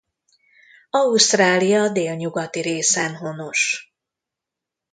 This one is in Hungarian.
Ausztrália délnyugati részen honos.